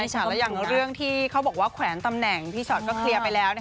ใช่ค่ะแล้วอย่างเรื่องที่เขาบอกว่าแขวนตำแหน่งพี่ชอตก็เคลียร์ไปแล้ว